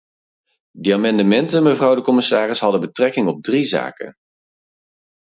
Die amendementen, mevrouw de commissaris, hadden betrekking op drie zaken.